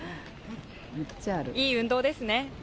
いい運動ですね。